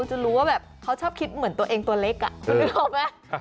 จะรู้ว่าแบบเขาชอบคิดเหมือนตัวเองตัวเล็กคุณนึกออกไหม